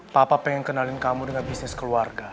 papa pengen kenalin kamu dengan bisnis keluarga